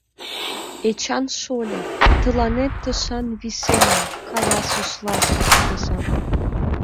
— Эчан шольо, тыланет тышан висена, — каласыш Лазыр кугыза.